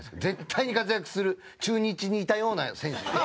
絶対に活躍する中日にいたような選手。